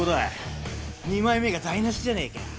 二枚目が台無しじゃねえか。